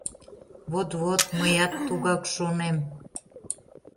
Вот, вот... мыят тугак шонем...